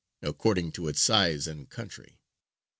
according to its size and country.